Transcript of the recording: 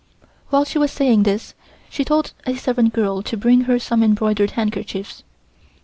While she was saying this she told a servant girl to bring her some embroidered handkerchiefs.